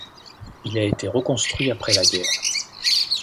Il a été reconstruit après la guerre.